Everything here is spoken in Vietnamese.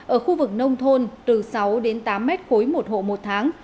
ở khu vực nông thôn từ sáu đến tám mét khối một hộ một tháng